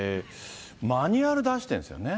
マニュアル出してるんですよね。